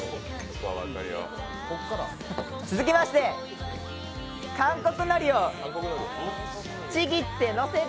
続きまして、韓国のりをちぎって乗せる！